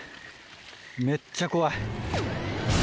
めっちゃ怖い。